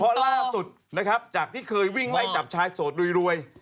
เพราะล่าสุดนะครับจากที่เคยวิ่งไล่จับชายโสดรวย